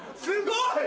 すごい！